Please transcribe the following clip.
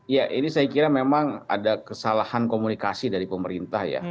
ya ini saya kira memang ada kesalahan komunikasi dari pemerintah ya